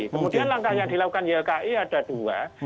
kemudian langkah yang dilakukan ylki ada dua